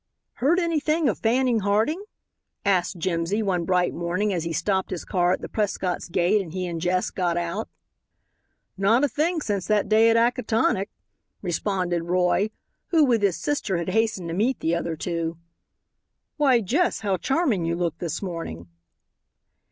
"Heard anything of Fanning Harding?" asked Jimsy, one bright morning, as he stopped his car at the Prescotts' gate and he and Jess got out. "Not a thing since that day at Acatonick," responded Roy, who with his sister had hastened to meet the other two. "Why, Jess, how charming you look this morning."